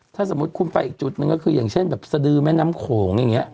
ถ้าสมมุติคุณไปอีกจุดหนึ่งก็คืออย่างเช่นแบบสดือแม่น้ำโขงอย่างนี้